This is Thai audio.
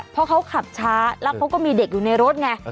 เพราะเขาขับช้าแล้วเขาก็มีเด็กอยู่ในรถไง